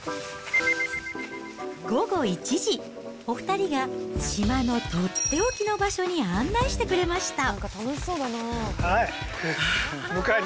午後１時、お２人が島の取って置きの場所に案内してくれました。